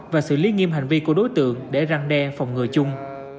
và xử lý nghiêm hành vi của đối tượng để răng đe phòng ngừa chung